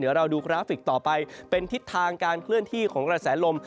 เดี๋ยวเราดูกราฟิกต่อไปเป็นทิศทางการเคลื่อนที่ของกระแสลม